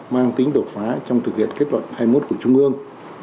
mang tính đột phá trong thực hiện kết luận hai mươi một của trung ương